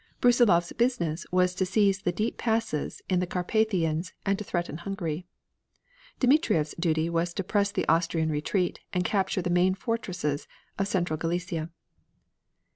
Brussilov's business was to seize the deep passes in the Carpathians and to threaten Hungary. Dmitrieff's duty was to press the Austrian retreat, and capture the main fortresses of central Galicia.